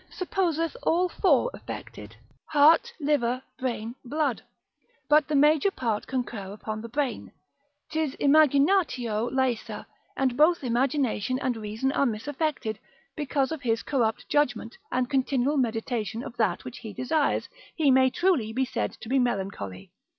supposeth all four affected, heart, liver, brain, blood; but the major part concur upon the brain, 'tis imaginatio laesa; and both imagination and reason are misaffected;, because of his corrupt judgment, and continual meditation of that which he desires, he may truly be said to be melancholy.